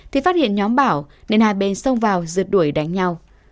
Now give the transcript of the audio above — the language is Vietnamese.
thì phát hiện nhóm bảo nên hai bên xông vào rượt đuổi đánh nhau